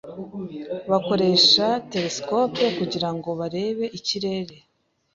Bakoresha telesikope kugirango barebe ikirere.